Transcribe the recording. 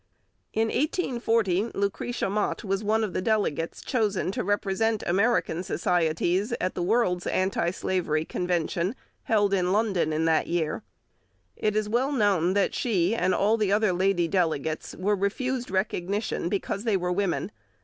In 1840 Lucretia Mott was one of the delegates chosen to represent American societies at the World's Anti Slavery Convention held in London in that year. It is well known that she and all other lady delegates were refused recognition because they were women.